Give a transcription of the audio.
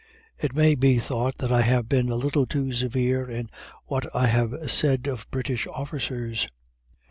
It may be thought that I have been a little too severe in what I have said of British officers.